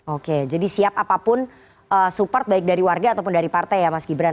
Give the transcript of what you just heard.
oke jadi siap apapun support baik dari warga ataupun dari partai ya mas gibran